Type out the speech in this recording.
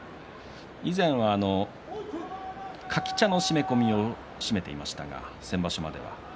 以前は柿茶の締め込みを締めていましたが先場所までは。